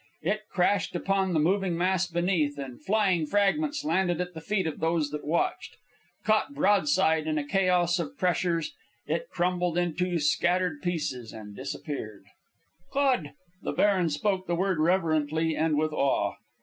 It crashed upon the moving mass beneath, and flying fragments landed at the feet of those that watched. Caught broadside in a chaos of pressures, it crumbled into scattered pieces and disappeared. "God!" The baron spoke the word reverently and with awe.